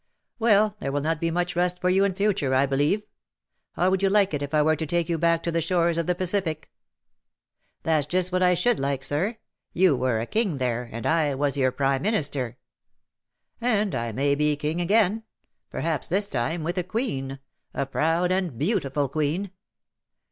'^ Well, there will not be much rust for you in future, I believe. How would you like it if I were to take vou back to the shores of the Pacific T' 255 " That's just what I should like, Sir. You were a king there, and I was your prime minister/' " And I may be a king again — perhaps this time with a queen — a proud and beautiful queen."